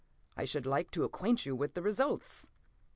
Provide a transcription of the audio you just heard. I should like to acquaint you with the results!"